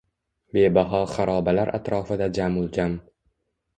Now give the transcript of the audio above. Bebaho xarobalar atrofida jamuljam.